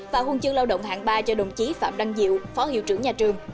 và huân chương lao động hạng ba cho đồng chí phạm đăng diệu phó hiệu trưởng nhà trường